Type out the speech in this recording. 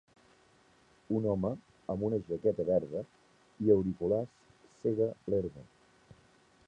Un home amb una jaqueta verda i auriculars sega l'herba.